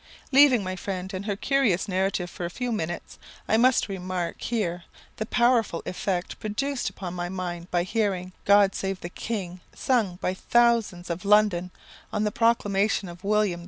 Leaving my friend and her curious narrative for a few minutes, I must remark here the powerful effect produced upon my mind by hearing "God save the King," sung by the thousands of London on the proclamation of William IV.